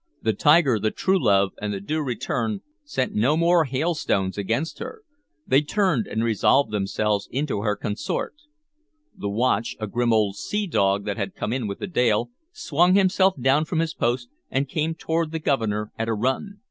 The Tiger, the Truelove, and the Due Return sent no more hailstones against her; they turned and resolved themselves into her consort. The watch, a grim old sea dog that had come in with Dale, swung himself down from his post, and came toward the Governor at a run.